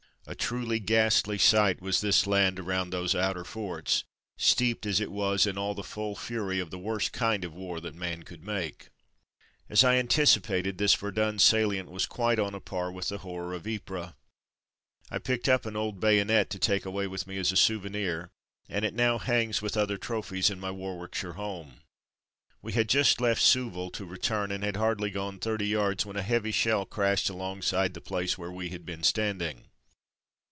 A truly ghastly sight was this land around those outer forts, steeped as it was in all the full fury of the worst kind of war that man could make. As I had anticipated, this Verdun salient was quite on a par with the horror of Ypres. I picked up an old bayonet to take away with me as a souvenir, and it now hangs, with other trophies, in my Warwick shire home. We had just left Souville to return, and had hardly gone thirty yards when a heavy shell crashed alongside the place where we had been standing.